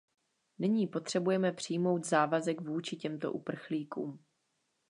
Nyní potřebujeme přijmout závazek vůči těmto uprchlíkům.